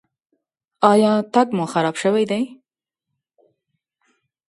ایا تګ مو خراب شوی دی؟